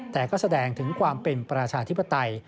แต่ก็แสดงถึงความเป็นประชาธิปไตย